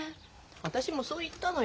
私もそう言ったのよ。